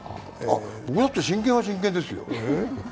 僕だって真剣は真剣ですよ。